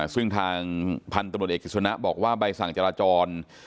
ซึ่งทางพันธุ์ตำรวจเอกกิจสนะบอกว่าใบสั่งจราจร